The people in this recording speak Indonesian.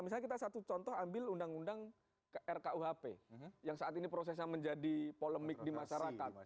misalnya kita satu contoh ambil undang undang rkuhp yang saat ini prosesnya menjadi polemik di masyarakat